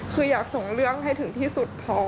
คืออยากส่งเรื่องให้ถึงที่สุดพอ